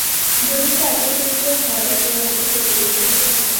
যদি সে একই ব্যাক্তিও হয় সে আমাদের প্রতিবেশী।